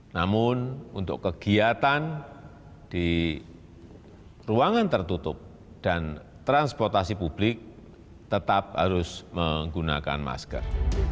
namun untuk kegiatan di ruangan tertutup dan transportasi publik tetap harus menggunakan masker